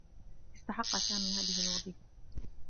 استحقّ سامي هذه الوظيفة.